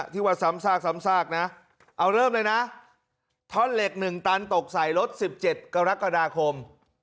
ที่ว่าซ้ำซากซ้ำซากนะเอาเริ่มเลยนะท่อนเหล็ก๑ตันตกใส่รถ๑๗กรกฎาคม